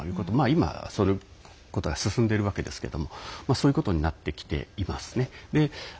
今はそのことが進んでいるわけですけどそういうことになってきてますね。